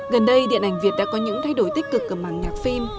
gần đây điện ảnh việt đã có những thay đổi tích cực ở màn nhạc phim